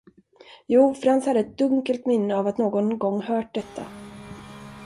Jo, Franz hade ett dunkelt minne av att någon gång hört detta.